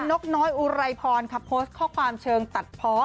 นกน้อยอุไรพรค่ะโพสต์ข้อความเชิงตัดเพาะ